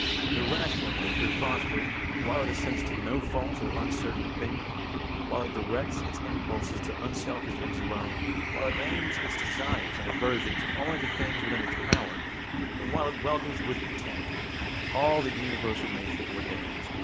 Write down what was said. The rational nature prospers while it assents to no false or uncertain opinion, while it directs its impulses to unselfish ends alone, while it aims its desires and aversions only at the things within its power, and while it welcomes with contentment all that universal Nature ordains.